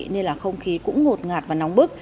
nên là không khí cũng ngột ngạt và nóng bức